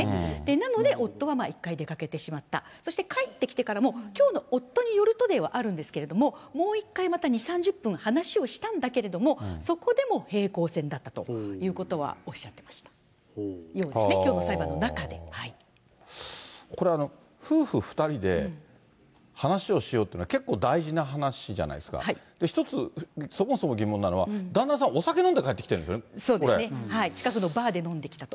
なので夫は一回出かけてしまった、そして帰ってきてからも、きょうの夫によるとではあるんですけど、もう一回また、２、３０分話をしたんだけれども、そこでも平行線だったということはおっしゃってたようですね、これ、夫婦２人で話をしようというのは、結構大事な話じゃないですか、一つ、そもそも疑問なのは旦那さん、お酒飲んで帰ってきてるんで近くのバーで飲んできたと。